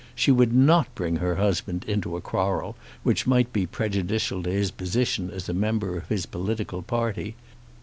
She would not bring her husband into a quarrel which might be prejudicial to his position as a member of his political party.